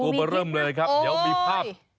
มาเริ่มเลยครับเดี๋ยวมีภาพ